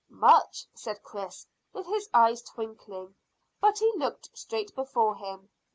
"Much," said Chris, with his eyes twinkling, but he looked straight before him.